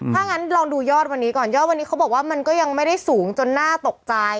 ถ้างั้นลองดูยอดวันนี้ก่อนยอดวันนี้เขาบอกว่ามันก็ยังไม่ได้สูงจนน่าตกใจ